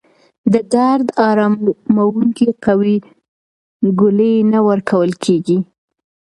د درد اراموونکې قوي ګولۍ نه ورکول کېږي.